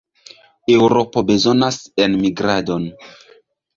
Eŭropo bezonas enmigradon.